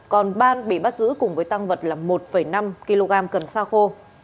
còn ban bị bắt giữ cùng với tăng vật là một năm kg cần xa khô